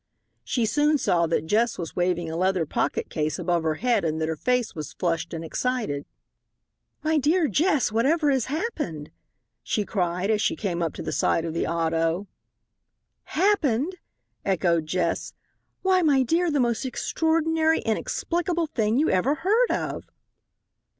She soon saw that Jess was waving a leather pocket case above her head and that her face was flushed and excited. "My dear Jess, whatever has happened?" she cried, as she came up to the side of the auto. "Happened!" echoed Jess. "Why, my dear, the most extraordinary, inexplicable thing you ever heard of."